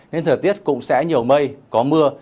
nên thời tiết cũng sẽ nhầu mây có mưa